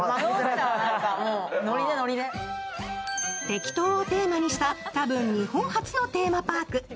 てきとをテーマにした、たぶん、日本初のテーマパーク。